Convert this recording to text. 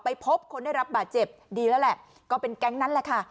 พบคนได้รับบาดเจ็บดีแล้วแหละก็เป็นแก๊งนั้นแหละค่ะ